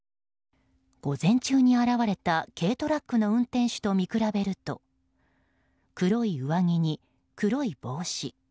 午前中に現れた軽トラックの運転手と見比べると黒い上着に、黒い帽子。